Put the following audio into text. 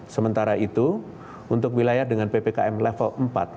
sementara itu untuk wilayah dengan ppkm level empat